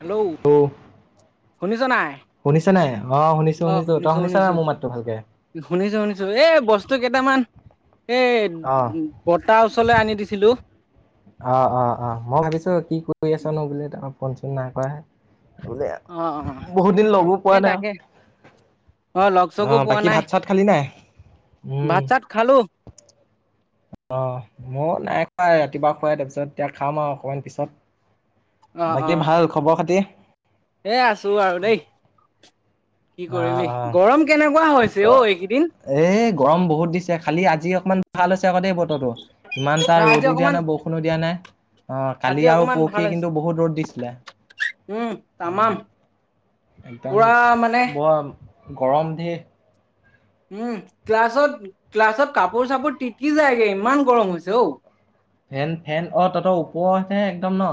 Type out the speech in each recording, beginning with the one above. Hello. শুনিছ নাই। শুনিছ নাই অ শুনিছো অ শুনিছো তই শুনিছ নাই শুনিছো মোৰ মাতটো ভালকে। শুনিছো শুনিছো এই বস্তু কেইটামান এই উ। অ' বৰ্তা ওচৰলৈ আনি দিছিলো। অ অ অ মই ভাবিছো কি কৰি আছ নো বুলো ত ফন চন নাই কৰা। বুলে অ অ বহুত দিন লগো পোৱা এই নাই আৰু। তাকে অ লগ চগো পোৱা বাকী নাই ভাত চাত খালি নাই ভাত চাত খালো। অ মই নাই খুৱাই ৰাতিপুৱা খুৱাই তাৰপিছত এতিয়া খাম আৰু অকমান পিছত। অ অ বাকী ভাল খবৰ খাতি। এ আছো আৰু দেই। কি অ' কৰিবি গৰম কেনেকুৱা হৈছে অ এইকেইদিন। এ গৰম বহুত দিছে খালি আজি অকণমান ভাল হৈছে আকৌ দেই বুত। তটো ইমান অ তাৰ আজি ৰ'দো দিয়া অকমান নাই বৰষুণো দিয়া নাই। অ আজি কালি আৰু অকমান ভাল পৰখি হৈছে কিন্তু বহুত ৰ'দ দিছিলে। উম উম তামাম পুৰা মানে। বা গৰম দি উম ক্লাছত ক্লাছত কাপোৰ চাপোৰ টিকি যায়গে ইমান গৰম হৈছে অঔ। ফেন ফেন অ ততৰ ওপৰত হে একদম ন।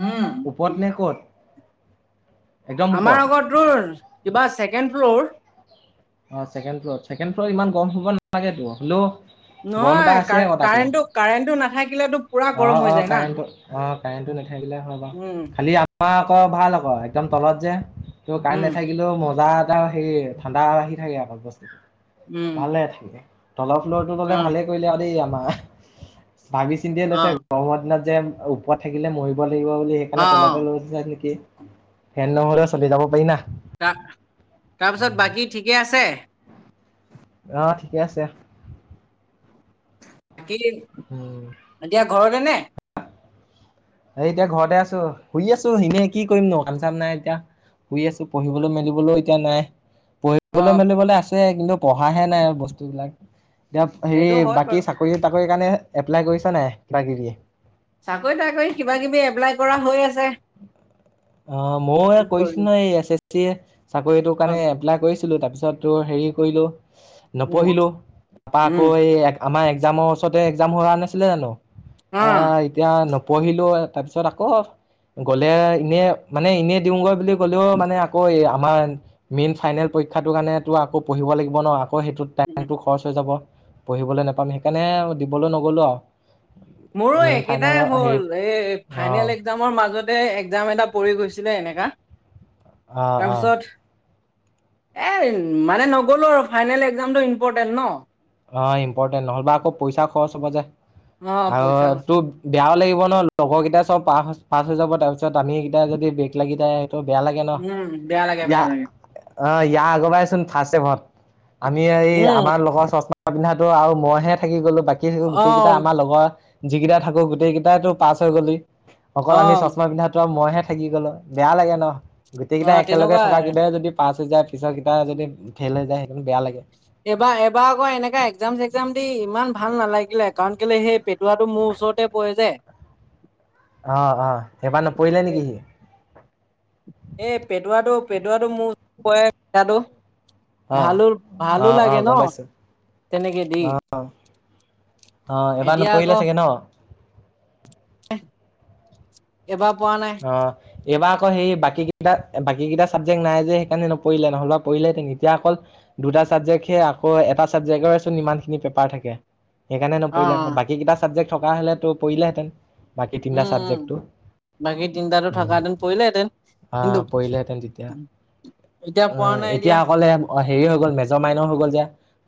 উম। উপত নে ক'ত। একদম আমাৰ ওপৰত আগতোৰ কিবা ছেকেণ্ড ফ্ল'ৰ। অ ছেকেণ্ড ফ্লৰ ছেকেড ফ্লৰ ইমানম হব নালাগেতটো হলও। নহয় কা কাৰেণ্টো কাৰেণ্টটো নাথাকিলেতো পুৰা অ গৰম হৈ অ যায় না কাৰেণ্টটো অ কাৰেণ্টটো নাথাকিলে হয় বাৰু উম খালি আমা আকৌ ভাল আকৌ একদম তলত যে ত কাৰেন্ট উম নাথাকিলেও মজাত হেই ঠাণ্ডা আহি থাকে অকল বস্তুটো উম ভালে থাকে তলৰ ফ্লৱৰটো ল'লে অ ভালে কৰিলে দেই আমাৰ ভাবি চিন্তিয়ে অ লৈছে গৰমৰ দিনত যেন ওপৰত থাকিলে মৰিব লাগিব বুলি অ সেইকাৰণে তলতে লৈ যাই নেকি ফেন নহলেও চলি যাব পাৰি না। তা-তাৰপিছত বাকী ঠিকে আছে? অ, ঠিকে আছে। কিন উম। এতিয়া ঘৰতে নে? এ এতিয়া ঘৰতে আছো শুই আছো এনেই কি কৰিম নো কাম-চাম নাই এতিয়া। শুই আছো পঢ়িবলো-মেলিবলৈও এতিয়া নাই প অ পঢ়িবলে মেলিবলে আছে কিন্তু পঢ়াহে নাই বস্তুবিলাক এতিয়া হেৰি সেইটো হয় বাকী বাৰু চাক কৰি তাকৰি কাৰণে এপ্লাই কৰিছা নাই কিবা কিবি চাকৰি তাকৰি কিবা কিবি এপ্লাই কৰা হৈ আছে অ ময়ো কি কৰিছিলো কৰিম নহয় এই এছ এছ চি চাকৰিটোৰ অ কাৰণে এপ্লাই কৰিছিলো তাৰপিছত হেৰি কৰিলো উম নপঢ়িলো তাপা উম আকৌ এই আমাৰ একজামৰ ওচৰতে একজাম হোৱা নাছিলে জানো অ আহ এতিয়া নপঢ়িলো তাৰপিছত আকৌ গ'লে এনে মানে এনে দিউগৈ বুলি গ'লেও মানে আকৌ এই আমাৰ মেইন ফাইনেল পৰীক্ষাটোৰ কাৰণে তো আকৌ পঢ়িব লাগিব ন' আকৌ তে সেইটোত উম। টাইমটো খৰচ হৈ যাব। পঢ়িবলে নেপাম সেইকাৰণে দিবলৈ নগলো আও মোৰো একেটাই হ'ল এই ফাইনেল অ' এক একজামৰ মাজতে একজাম এটা পৰি গৈছিলে এনেকা অ' অ' তাৰপিছত এই মানে নগলোঁ আৰু ফাইনেল একজামটো ইম্পৰ্টেণ্ট ন'। অ, ইম্পৰ্টেণ্ট নহ'বা আকৌ পইচা খৰচ হ'ব যে অ আৰু পইচা কথা তোৰ বেয়াও লাগিব ন' লগৰ কেইটা চব পা পাছ হৈ যাব তাৰপিছত আমি কেইটা যদি ব্ৰেক লাগি যাই ত বেয়া লাগে ন' উম, বেয়া লাগে, ইয়া বেয়া লাগে। অ, ইয়াৰ আগৰ বাইচোন ফাৰ্ষ্টচেমত আমি এই উম, আমাৰ লগৰ চশ মা পিন্ধাতো আৰু মইহে থাকি গ'লো বাকী গোটেই কেইটা অ', আমাৰ লগৰ যিকেইটাই থাকো গোটেইটো পাছ হৈ গ'লি অকল আমি অ', চশমা পিন্ধা মইহে থাকি গ'লো বেয়া লাগে ন' গোটেই কেইটা অ', একেলগে তেনেকুৱাই। থকাকেইটাই যদি পাচ হৈ‌ যায় পিছৰ কেইটাই যদি ফেল হৈ যায় সেইটোতো বেয়া লাগে। এইবাৰ এবাৰ আকৌ এনেকা একজাম-চেকজাম দি ইমান ভাল নালাগিলে কাৰণ কেলে সেই পেট ৱাটো মোৰ ওচৰতে পৰে যে, অ, অ, সেইবাৰ নপৰিলে নেকি সি? এ পেটোৱাটো পেটোৱাটো মোৰ [unintelligible] পৰে [unintelligible] অ', ভালো-ভালো অ', লাগে অ', ন' গম পাইছো তেনেকে দি। অ', অ এবাৰ এতিয়া নপৰিলে চাগে ন'? এহ এবাৰ পৱা নাই। অ। এইবাৰ আকৌ সেই বাকী কেইটা বাকী কেইটা চাবজেক্ট নাই যে সেইকাৰণে নপৰিলে নহলেবা পৰিলে হেতেন এতিয়া অকল দুটা চাবজেক্ট সে আকৌ এটা চাবজেক্টৰেচোন ইমান খিনি পেপাৰ থাকে। সেইকাৰণে অ', নপৰিলে অ', আক'বাকী কেইটা চাবজেক্ট থকা হলে তো পৰিলেহেঁতেন বাকী উম, তিনিটা উম। চাবজেক্টটো। বাকী তিনটাতো উম, থকাহেঁতেন পৰিলেহেঁতেন কিন্তু আঁ, পৰিলে হেতেন তেতিয়া। এতিয়া পৰা নাই এতিয়া অকলে হেৰি হৈ গ'ল মেজৰ মাইনৰ হৈ গ'ল যে,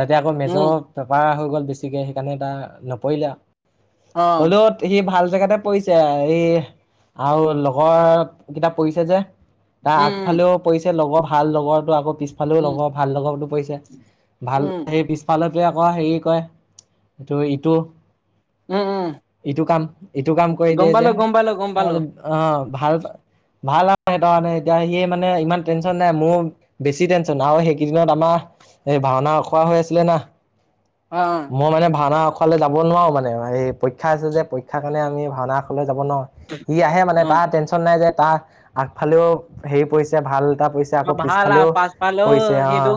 তাতে আকৌ উম, মেজৰ পেপাৰ হৈ গ'ল বেছিকে সেইকাৰণে এইবা নপৰিলে আও। অ', হ'লো সি ভাল জেগাতে পৰিছে, এই আৰু লগৰ কিটা পৰিছে যে। তাৰ উম, উম, আগফালেও পৰিছে লগৰ ভাল লগৰটো আকৌ পিছ ফালো উম, লগৰ ভাল লগৰো পৰিছে, ভাল উম, সেই পিছ ফালটোৱে আকৌ হেৰি কয় টো ইটো উম, উম। ইটো কাম ইটো কাম কৰি গম দিয়ে যে। পালো গম পালো গম পালো অঁ ভাল ভাল আৰু সেইত কাৰণে এতিয়া সি মানে ইমান টেনশ্যন নাই। মোৰ বেছি টেনশ্যন, আৰু সেইকেইদিনত আমাৰ এই ভাওনা আখৰা হৈ আছিলে না। অঁ অঁ মই মানে ভাওনা আখুৱালে যাব নোৱাৰো মানে এই পৰীক্ষা আছে যে, পৰীক্ষাৰ কাৰণে আমি ভাওনা আখোৱালে যাব নোৱাৰোঁ। সি আহে মানে অ তাৰ টেনশ্যন নাই যে তাৰ আগফালেও হেৰি পৰিছে ভাল এটা পৰিছে। অ আকৌ ভাল পিছফালেও আৰু পাছ পালো পৰিছে সেইটো অঁ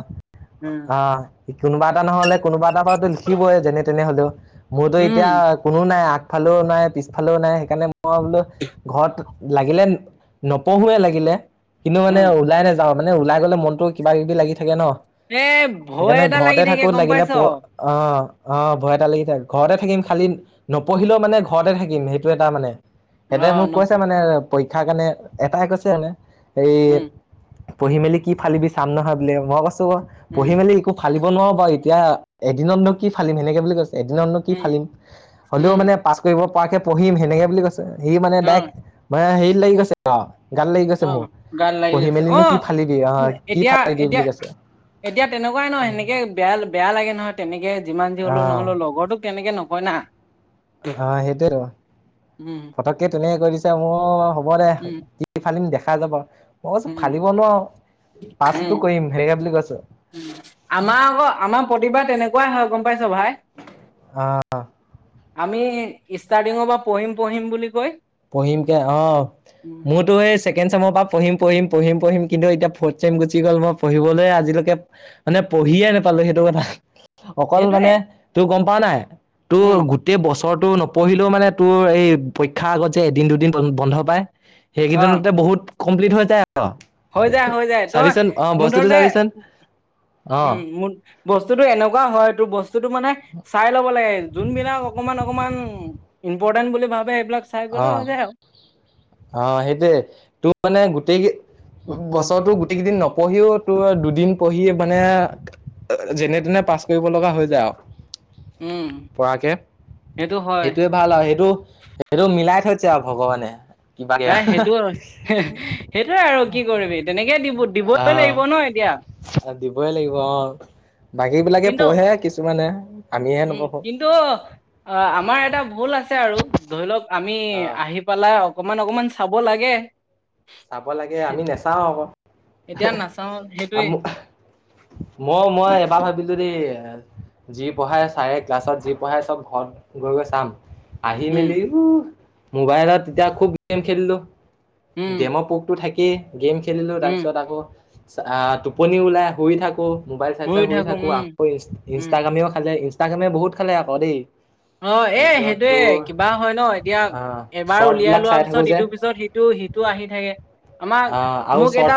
উম অঁ কোনোবা এটা নহলে কোনোবা এটা কথাতো লিখিবই, যেনে তেনেহলেও মোৰতো এতিয়া উম কোনো নাই আগফালেও নাই পিছফালেও নাই, সেইকাৰণে মই বোলো ঘৰত লাগিলে নপঢ়োৱে লাগিলে, কিন্তু মানে উম ওলাই নাযাওঁ। মানে ওলাই গ'লে মনতো কিবা কিবি লাগি থাকে ন। এ ভয় সেইকাৰণে এটা লাগি ঘৰতে থাকে থাকো গম লাগিলে পাইছ প অ অঁ অঁ, ভয় এটা লাগি যায়, ঘৰতে থাকিম খালি নপঢ়িলেও মানে ঘৰতে থাকিম, সেইটো এটা মানে হেতে মোক ন কৈছে মানে পৰীক্ষাৰ কাৰণে এটাই কৈছে মানে এই উম পঢ়ি মেলি কি ফালিবি চাম নহয় বোলে, মই কৈছো উম পঢ়ি মেলি একো ফালিব নোৱাৰো বাৰু এতিয়া এদিনত নো কি ফালিম সেনেকে বুলি কৈছোঁ। এদিনতনো কি উম ফালিম, হলেও উম মানে পাছ কৰিব পৰাকে পঢ়িম সেনেকে বুলি কৈছে। সি মানে অ ডাইৰেক্ট হেৰিত লাগি গৈছে। অঁ, গাত লাগি অ গৈছে মোৰ গাত লাগি পঢ়ি গৈছে অ মেলিনো কি ফালিবি অঁ কি এতিয়া ফালিবি এতিয়া বুলি কৈছে। এতিয়া তেনেকুৱাই ন সেনেকে বেয়া বেয়া লাগে নহয়। তেনেকে যিমান যি অ হলে নহলো লগৰ তোক তেনেকে নকয় না। অঁ, সেইটোয়েটো উম ফটককে তেনে কৈ দিছে মোৰ হ'ব দে। উম কি ফালিম দেখা যাব মই কৈছো উম ফালিব নোৱাৰো পাছটো কৰিম হেৰিকে বুলি কৈছো। উ আমাৰ আকৌ আমাৰ প্ৰতিভা তেনেকুৱাই হয় গম পাইছ ভাই। অঁ আমি ষ্টাৰ্টিঙৰ পৰা পঢ়িম পঢ়িম বুলি কয় পঢ়িমকে অঁ মোৰতো সেই চেকেণ্ড ছেম পৰা পঢ়ি পঢি পঢ়ি পঢ়িম কিন্তু এতিয়া ফৰ্থ চেম গুচি গল মই পঢ়িবলৈ আজিলৈকে মানে পঢ়িয়ে নাপালো সেইটো কথা, অকল সেইটোয়ে মানে তোৰ গম পাওঁ নাই তোৰ উম গোটেই বছৰটো নপঢ়িলেও মানে তোৰ এই পৰীক্ষাৰ আগত যে এদিন দুদিন বন্ধ পায়। অ সেইকেইদিনতে বহুত কমপ্লিট হৈ যায় আৰু। হৈ যায় হৈ যায় তই চাবিচোন অ মোৰ বস্তুটো ধৰতে চাবিচোন উম মোৰ বস্তুটো এনেকুৱা হয়, তোৰ বস্তুটো মানে চাই ল'ব লাগে যোনবিলাক অকমান অকমান ইম্পৰ্টেণ্ট বুলি ভাবে, সেইবিলাক চাই গ'লে হৈ যায় আৰু। অঁ সেইটোৱে তোৰ মানে গোটেই বছৰটো গোটেই কেইদিন নপঢ়িও তোৰ দুদিন পঢ়ি মানে যেনে তেনে পাছ কৰিব লগা হৈ যায় আও। উম পৰাকে সেইটো হয় সেইটোৱে ভাল আও, সেইটো সেইটো মিলাই থৈছে আও ভগৱানে। কিবাকে হে সেইটো সেইটোৱে আৰু কি কৰিবি তেনেকে দিব দিবই আহ লাগিব ন এতিয়া। দিবই লাগিব অ, বাকী বিলাকে কিন্তু পঢ়ে কিছুমানে আমিহে নপঢ়ো। টো, আমাৰ এটা ভুল আছে আৰু ধৰি লওক আমি অ আহি পেলাই অকমান অকমান চাব লাগে। চাব লাগে আমি নেচাও আক। এতিয়া নাচাও সেইটোৱে মই মই এবাৰ ভাবিলো দেই এ যি পঢ়াই চাৰে ক্লাছত যি পঢ়াই চব ঘৰত গৈ গৈ চাম। আহি উম মেলি ও মোবাইলত তেতিয়া খুব গেম খেলিলো। উম গেমৰ পোকতো থাকেই, গেম খেলিলো উম তাৰপিছত আকৌ টোপনি ওলাই শুই থাকো মোবাইল চাই ময়ো চাই শুই থাকো, উম আকৌ ই উম ইনষ্টাগ্ৰামেও খালে। ইনষ্টা- গ্ৰামে বহুত খালে আক দেই। অ এ তাৰপিছত সেইটোৱে তোৰ কিবা হয় ন এতিয়া আহ এবাৰ উলিয়াই শ্বৰ্টবিলাক লোৱা চাই থাকো পিছত যে ইটোৰ পিছত সিটো, সিটো টো আহি থাকে, আমাৰ আহ আৰু মোক এটা শ্বৰ্ট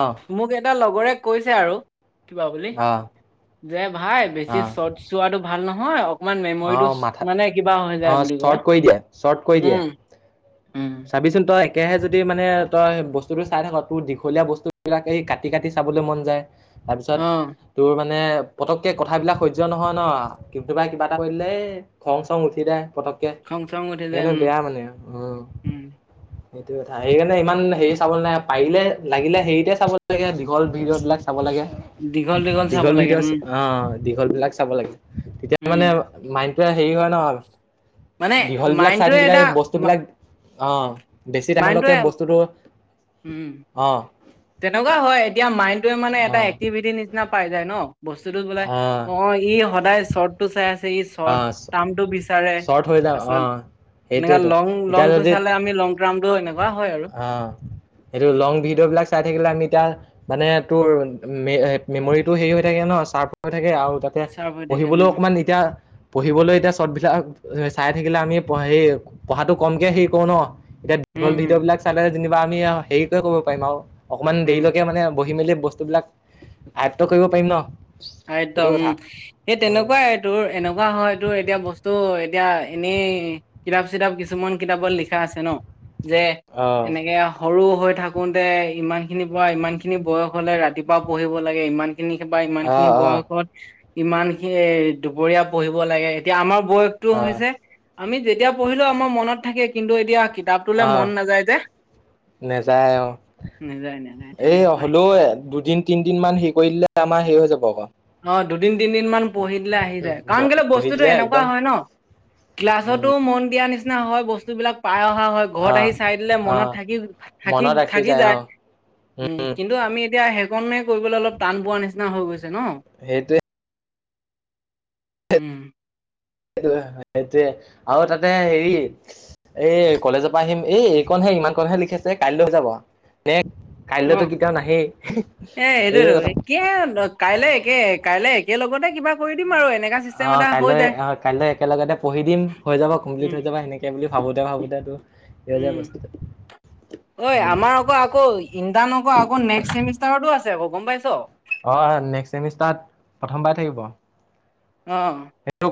অ মোক এটা লগৰে কৈছে আৰু কিবা বুলি, অ যে ভাই বেছি অ শ্বৰ্ট- চোৱাটো ভাল নহয়, অ- কমান অ মেমৰিটো মাথা মানে কিবা হৈ অ যায় বুলি কয়, শ্বৰ্ট কৰি দিয়ে উম ভাবিচোন তই একেহে যদি মানে তই বস্তুটো চাই থাক তোৰ দীঘলীয়া বস্তুবিলাকে এই কাট- কাটি কাটি চাবলৈ মন যায়। তাৰপিছত অ তোৰ মানে পতককে কথাবিলাক সহ্য নহয় ন, কিটোবাই কিবা এটা কৈ দিলে এ খং-চং উঠি যায় পতককে খং চং উঠি যায় সেইকাৰণে উম বেয়া মানে অঁ। উম সেইটো কথা, সেইকাৰণে ইমান হেৰি চাব নাই পাৰিলে লাগিলে হেৰিতে চাব লাগে দীঘল ভিডিঅ বিলাক চাব লাগে। দীঘল চাব দীঘল লাগে উম ভিডিঅচ্ অঁ। দীঘল বিলাক চাব লাগে। তেতিয়া উম মানে মাইণ্ডটোৱে হেৰি হয় ন মানে দীঘল বিলাক চাই মাইণ্ডটোৱে থাকিলে এটা এই বস্তুবিলাক অ। বেছি টামৰলৈকে মাইণ্ডটোৱে বস্তুটো উম অ। তেনেকুৱা হয়, এতিয়া মাইণ্ডটোৱে মানে এটা অ', এক্টিভিটি নিচিনা পাই যায় ন, বস্তুটো বোলে অ ই সদায় চৰ্টটো চাই আছে, ই চৰ্ট অ', ট্ৰামটো বিচাৰে শ্বৰ্ট হৈ যাওঁ তাৰপিছত অ', এনেকা সেইটোৱেতো লং লং এতিয়া টো যদি চালে আমি লং ট্ৰামটো হয় নাই অ, সেইটো লং ভিডিঅ' বিলাক চাই থাকিলে আমি এতিয়া মানে তোৰ মে মেমৰিটো হেৰি হৈ থাকে ন চাৰ্প হৈ থাকে আৰু তা- তে চাৰ্ভ হৈ থাকে পঢ়িবলৈও উম অকণমান এ- তিয়া পঢ়িবলৈ এতিয়া চৰ্টবিলাক চাই থাকিলে আমি প সেই পঢ়াটো কমকে হেৰি কৰো ন, এতিয়া উম দীঘল ভিডিঅ' উম বিলাক চালে যেনিবা আমি আও হেৰিকে কৰিব পাৰিম আও অকমান উম দেৰিলৈকে মানে বহি মেলি বস্তু বিলাক আয়ত্ত কৰিব পাৰিম ন। আয়ত সেইটো উম, কথা সেই অ', তেনেকুৱাই,। তোৰ এনেকুৱা হয় তোৰ এতিয়া বস্তু এতিয়া এনেই - কিতাপ-চিতাপ কিছুমান কিতাপত লিখা আছে ন, যে অ'। এনেকে আও সৰু হৈ থাকোতে ইমানখিনিৰ পৰা ইমানখিনি বয়স হলে ৰাতিপুৱা পঢ়িব লাগে, ইমানখিনি বা ইমান- খিনি অ', অ', বয়সত ইমানখিনি এ দুপৰীয়া পঢ়িব লাগে, এতিয়া আমাৰ বয়স টো অ', হৈছে আমি যেতিয়া পঢ়িলেও আমাৰ মনত থাকে, কিন্তু এতিয়া কিতাপটোলৈ অ', মন নাযায় যে। নেযায় অ, নাযায় নাযায় এ তেনেকুৱাই হ'লো দুদিন তিনিদিন মান হেৰি কৰি দিলে আমাৰ হে হৈ যাব অ'ক। অ দুদিন তিনদিন মান পঢ়ি দিলে আহি যায়। কাৰণ উম, কেলে বহি বস্তুটো দিলে এনেকুৱা একদম হয় ন। ক্লাছতো উম, মন দিয়া নিচিনা হয় বস্তুবিলাক পাই অহা হয়। ঘৰত আহি অ', চাই দিলে মনত অ', মনত ৰাখি থাকি-থাকি-থাকি যায় অ', উম কিন্তু কিন্তু আমি এতিয়া সেইকনে কৰিবলৈ অলপ টান পোৱাৰ নিচিনা হৈ গৈছে ন। সেইটোৱে উম। সেই সেইটোৱে আৰু তাতে হেৰি এই কলেজৰ পৰা আহিম এই এইকণহে ইমান কণহে লিখি আছে কাইলৈ হৈ যাব। নে অ কাইলৈতো কেতিয়াও নাহেই এ এইটোৱে এইটোয়েতো কথা। একে কাইলে একে কাইলে একে লগতে কিবা কৰি দিম আৰু এনেকা চিষ্টেম অ এটা হৈ কাইলৈ, যায় অ কাইলৈ একেলগতে পঢ়ি দিম হৈ যাব কমপ্লিট উম হৈ যাব সেনেকে সেই বুলি ভাবোতে ভাবোতেতো উম ঐ উম। আমাৰ আকৌ আকৌ ইন্তা নক আকৌ নেক্সট চেমিষ্টাৰতো আকৌ গম পাইছ? অ নেক্সট চেমিষ্টাৰ প্ৰথমবাৰ থাকিব। অ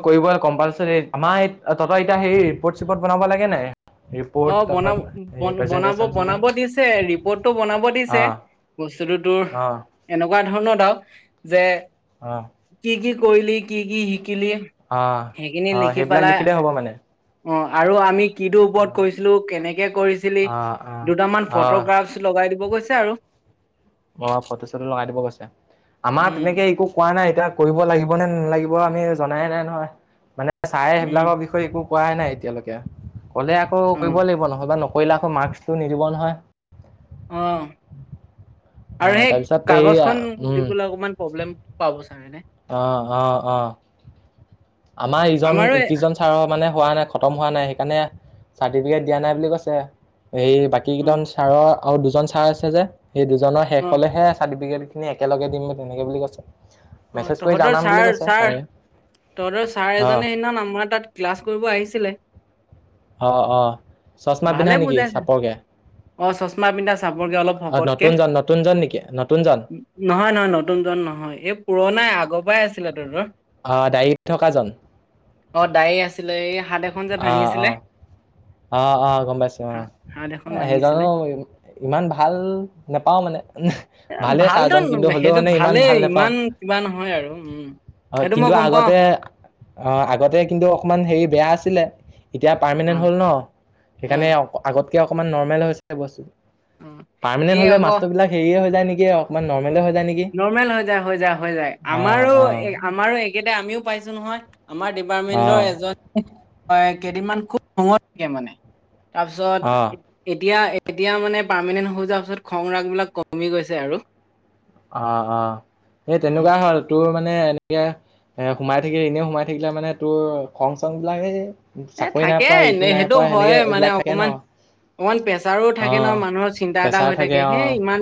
কৰিবই কম্পালচাৰি আমাৰ তহঁতৰ এতিয়া সেই ৰিপৰ্ট-চিপৰ্ট বনাব লাগে নাই? ৰিপৰ্ট অ তাৰপিছত প্ৰেজেন্টেচন চেজেন বনাব-বনাব-বনাব দিছে ৰিপৰ্টটো বনাব দিছে অ', বস্তুটো তোৰ অ', এনেকুৱা ধৰণৰ আৰু যে অ। কি কি কৰিলি, কি কি শিকিলি, অ', সেইখিনি অ', লিখি সেইবিলাক পেলাই লিখিলেই হ'ব মানে। অ আৰু আমি কিটো অ', কৰিছিলোঁ, কেনেকে কৰিছিলি, অ', অ', দুটামান অ', ফটোগ্ৰাফচ লগাই দিব কৈছে আৰু। অ ফটো-চটো লগাই দিব কৈছে। আমাৰ উম তেনেকে একো কোৱা নাই এতিয়া কৰিব লাগিব নে নেলাগিব আমি জনাইে নাই নহয়, মানে ছাৰে উম সেইবিলাকৰ বিষয়ে একো কোৱাই নাই এতিয়ালৈকে। ক'লে আকৌ অ কৰিব লাগিব নহয়বা নকৰিলে আকৌ মাস্কটো নিদিব নহয়। অ অ আৰু সেই তাৰপিছত এইয়া কাগজখন উম দিবলৈ অকণমান প্ৰব্লেম [unintelligible] অ অ অ। আমাৰ ইজন আমাৰো ই এ- কেইজন মানে হোৱা নাই খতম হোৱা নাই সেইকাৰণে চাৰ্টিফিকেট দিয়া নাই বুলি কৈছে। সেই অ [unintelligible] ছাৰৰ আৰু দুজন ছাৰ আছে যে, এই দুজনৰ শেষ অ হ'লেহে চাৰ্টিফিকেট। একেলগে দিম তেনেকে বুলি কৈছে। অ মেছেজ কৰি তহঁতৰ জনাম বুলি কৈছে ছাৰ-ছাৰ ছাৰে তহঁতৰ ছাৰ অ এজনে সিদিনা আমাৰ তাত ক্লাছ কৰিব আহিছিলে। অ অ চশমা ভালে পিন্ধা নেকি বুজাইছে চাপৰকে? অ চশমা পিন্ধা চাপৰকে অলপ অ শকতকে নতুনজন নতুনজন নেকি নতুনজন নহয় নহয় নতুন জন নহয়। এই পুৰণাই আগৰ পৰাই আছিলে তোৰ ধৰ অ ডায়ৰিত থকা জন? অ দাৰী আছিলে, এই হাত এখন যে অ অ ভাঙিছিলে অ অ গম পাইছো অ হাত হাত এখন এ সেই ভাঙিছিলে জানো ইমান ভাল নোপাওঁ মানে। ভালেই ভালটো ছাৰজন কিন্তু হ'লেও সেইটো মানে ইমান ভালেই ভাল নেপাওঁ ইমান কিবা নহয় আৰু উম। অ সেইটো মই কিন্তু গম পাও আগতে অ আগতে কিন্তু অকমান হেৰি বেয়া আছিলে এতিয়া অ পাৰ্মেনেন্ট হ'ল ন। অ সেইকাৰণে আগতকে অকমান নৰ্মেল হৈছে বস্তু অ পাৰ্মেনেন্ট এই হ'লে আকৌ মাষ্টৰবিলাক হেৰি হৈ যায় নেকি অকনমান নৰ্মলে হৈ যায় নেকি। নৰ্মেল হৈ যায়, হৈ যায়, হৈ যায়, অঁ অঁ আমাৰো, আমাৰো একেটাই আমিও পাইছোঁ নহয়, আমাৰ ডিপাৰ্টমেণ্ট অঁ ৰ, এজন কেইদিনমান খুব খঙত থাকে মানে। অঁ তাৰপিছত এতিয়া, এতিয়া মানে পাৰ্মানেণ্ট হৈ যোৱাৰ পাছত, খং ৰাগ বিলাক কমি গৈছে আৰু। অ, অ, এই উম তেনেকুৱাই হ'ল। তোৰ মানে এনেকে, এ, সোমাই থাকিল এনে সোমাই থাকিলে মানে তোৰ, খং-চং বিলাক এ এ চাকৰি নাই থাকে পোৱা ইটো এনে সেইটো নাইপোৱা হয় সেনেকে মানে এইবিলাক থাকে, ন। অকমান অকমান প্ৰেছাৰো থাকে নহ, অ', মানুহৰ চিন্তা এটা প্ৰেছাৰ হৈ থাকে অ'। হেই, ইমান